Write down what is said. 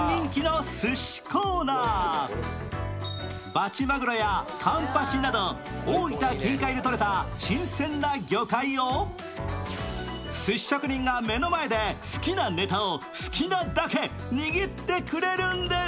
バチマグロやカンパチなど大分近海でとれた新鮮な魚介をすし職人が目の前で、好きなネタを好きなだけ握ってくれるんです。